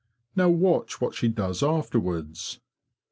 Now watch what she does afterwards.